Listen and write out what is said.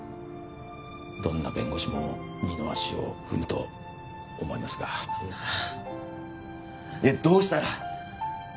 どんな弁護士も二の足を踏むと思いますがならどうしたら？